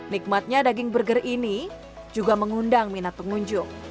nikmatnya daging burger ini juga mengundang minat pengunjung